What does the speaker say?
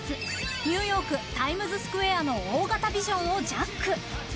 ニューヨークタイムズスクエアの大型ビジョンをジャック。